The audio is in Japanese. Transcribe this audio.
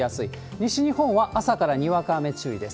西日本は朝からにわか雨注意です。